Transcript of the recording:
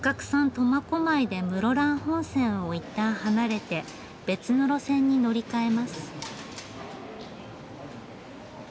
苫小牧で室蘭本線を一旦離れて別の路線に乗り換えます。